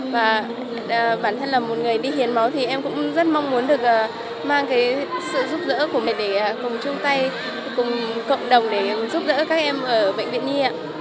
và bản thân là một người đi hiến máu thì em cũng rất mong muốn được mang cái sự giúp đỡ của mình để cùng chung tay cùng cộng đồng để giúp đỡ các em ở bệnh viện nhi ạ